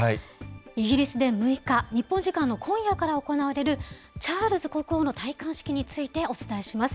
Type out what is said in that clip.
イギリスで６日、日本時間の今夜から行われるチャールズ国王の戴冠式についてお伝えします。